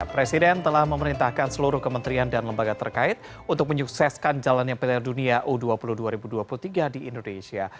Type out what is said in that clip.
presiden telah memerintahkan seluruh kementerian dan lembaga terkait untuk menyukseskan jalannya piala dunia u dua puluh dua ribu dua puluh tiga di indonesia